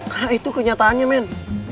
karena itu kenyataannya men